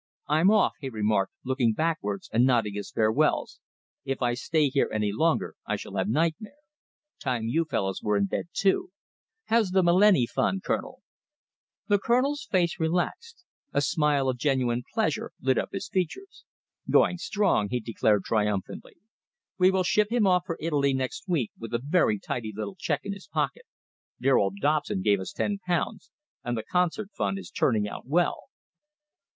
"I'm off," he remarked, looking backwards and nodding his farewells. "If I stay here any longer, I shall have nightmare. Time you fellows were in bed, too. How's the Malleni fund, Colonel?" The Colonel's face relaxed. A smile of genuine pleasure lit up his features. "Going strong," he declared triumphantly. "We shall ship him off for Italy next week with a very tidy little cheque in his pocket. Dear old Dobson gave us ten pounds, and the concert fund is turning out well."